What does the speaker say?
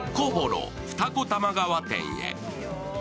二子玉川店へ。